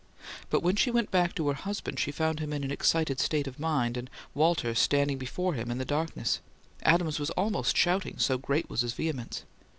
But when she went back to her husband, she found him in an excited state of mind, and Walter standing before him in the darkness. Adams was almost shouting, so great was his vehemence.